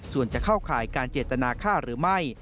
ส่วนจะเข้าข่ายการเจตนาฆ่าหรือไม่